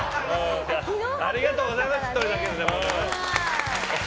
ありがとうございます。